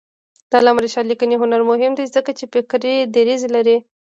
د علامه رشاد لیکنی هنر مهم دی ځکه چې فکري دریځ لري.